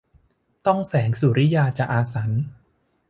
ต้องแสงสุริยาจะอาสัญ